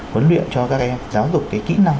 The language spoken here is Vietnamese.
huấn luyện cho các em giáo dục cái kỹ năng